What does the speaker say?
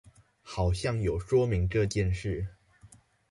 好像有說明這件事